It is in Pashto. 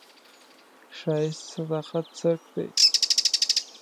ښایست د صداقت څرک دی